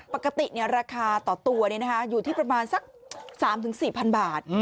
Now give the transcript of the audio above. ปกติราคาต่อตัวอยู่ที่ประมาณสัก๓๔๐๐๐บาท